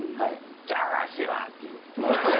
「じゃかあしいわ！」って言う。